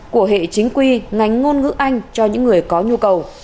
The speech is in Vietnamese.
của hệ chính quy ngành ngôn ngữ anh cho những người có nhu cầu